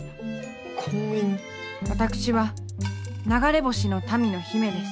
私は流れ星の民の姫です。